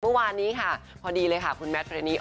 เมื่อวานนี้ค่ะพอดีเลยค่ะคุณแมทเรนี